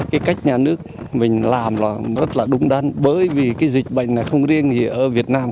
cái cách nhà nước mình làm là rất là đúng đắn bởi vì cái dịch bệnh này không có riêng thì ở việt nam